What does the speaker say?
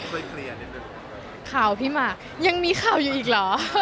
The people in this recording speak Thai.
ช่วยเคลียร์นิดนึงข่าวพี่หมากยังมีข่าวอยู่อีกเหรอ